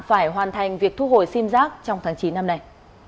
phải hoàn thành việc thu hồi sim giác trong tháng chín năm nay